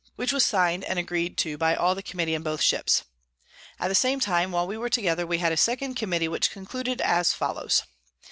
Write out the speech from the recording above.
Which was sign'd, and agreed to by all the Committee in both Ships. At the same time, while we were together, we had a second Committee; which concluded as follows.